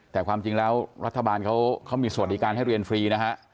แต่ความจริงแล้วรัฐบาลเขามีสวัสดิการให้เรียนฟรีนะฮะ